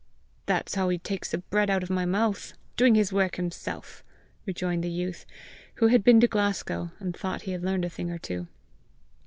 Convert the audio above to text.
"That's how he takes the bread out of my mouth doing his work himself!" rejoined the youth, who had been to Glasgow, and thought he had learned a thing or two.